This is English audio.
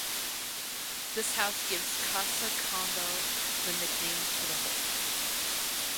This house gives Casa Condal the nickname to the whole.